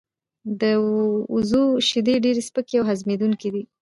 د وزو شیدې ډیر سپکې او هضمېدونکې دي.